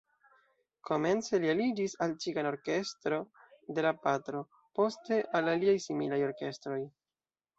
Komence li aliĝis al cigana orkestro de la patro, poste al aliaj similaj orkestroj.